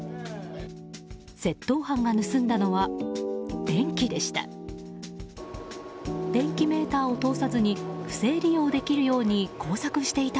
窃盗犯が盗んだのは電気でした。